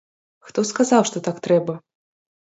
Хто сказаў, што так трэба?